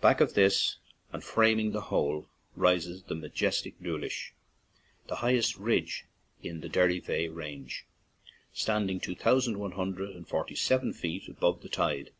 Back of this and fram ing the whole, rises the majestic Dooish, the highest ridge in the Derryveigh range, standing two thousand one hundred and forty seven feet above the tide.